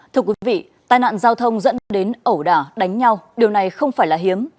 thưa quý vị tai nạn giao thông dẫn đến ẩu đả đánh nhau điều này không phải là hiếm